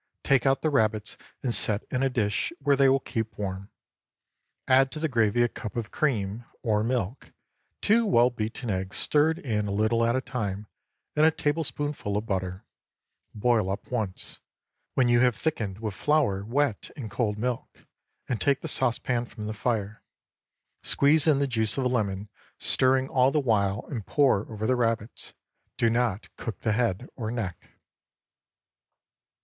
Take out the rabbits and set in a dish where they will keep warm. Add to the gravy a cup of cream (or milk), two well beaten eggs stirred in a little at a time, and a tablespoonful of butter. Boil up once—when you have thickened with flour wet in cold milk—and take the saucepan from the fire. Squeeze in the juice of a lemon, stirring all the while, and pour over the rabbits. Do not cook the head or neck.